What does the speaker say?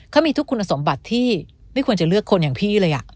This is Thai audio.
เขามีทุกคุณสมบัติที่ไม่ควรจะเลือกคนอย่างพี่เลย